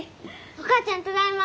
お母ちゃんただいま。